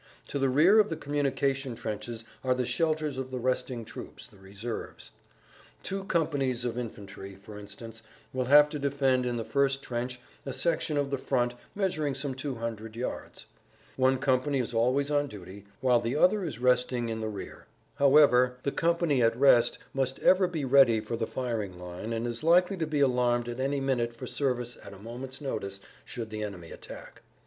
To the rear of the communication trenches are the shelters of the resting troops (reserves). Two companies of infantry, for instance, will have to defend in the first trench a section of the front measuring some two hundred yards. One company is always on duty, whilst the other is resting in the rear. However, the company at rest must ever be ready for the firing line and is likely to be alarmed at any minute for service at a moment's notice should the enemy attack.